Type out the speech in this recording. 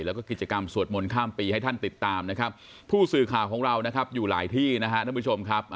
และก็กิจกรรมสวดมนต์ข้ามปีให้ท่านติดตามนะครับผู้สื่อข่าวของเราอยู่หลายที่นะครับ